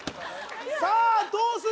さあどうする？